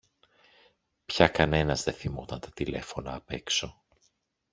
Πια κανένας δε θυμόταν τα τηλέφωνα απ’ έξω